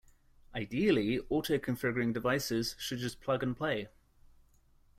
Ideally, auto-configuring devices should just "plug and play".